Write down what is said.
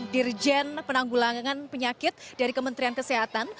dirjen penanggulangan penyakit dari kementerian kesehatan